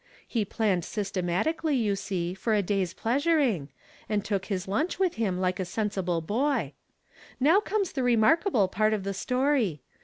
He planned systematically, you see, for a day's pleasuring, and took his lunch with him like a sensible boy. Now comes the remarkable part of the story.